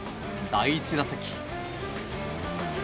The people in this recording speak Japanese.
第１打席。